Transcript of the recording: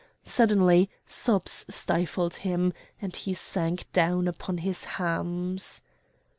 Suddenly sobs stifled him, and he sank down upon his hams.